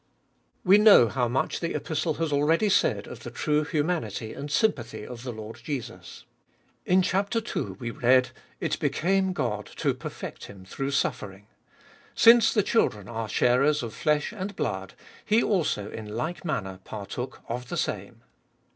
WE know how much the Epistle has already said of the true humanity and sympathy of the Lord Jesus. In chap. ii. we read : It became God to perfect Him through suffering ; Since the children are sharers of flesh and blood, He also in like manner partook of the same.